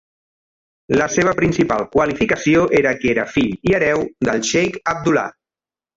La seva principal qualificació era que era fill i hereu del xeic Abdullah.